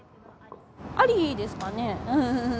ありですかね。